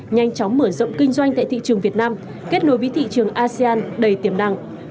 nhanh chóng mở rộng kinh doanh tại thị trường việt nam kết nối với thị trường asean đầy tiềm năng